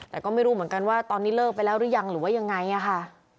แต่ก็ไม่รู้เหมือนกันว่าตอนนี้เลิกไปแล้วหรือยังหรือว่ายังไงค่ะ